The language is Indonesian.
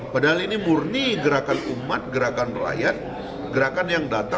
padahal ini murni gerakan umat gerakan rakyat